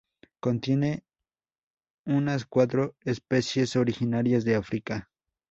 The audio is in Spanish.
Contiene unas cuatro especies originarias de África.